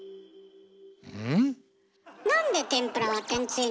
うん？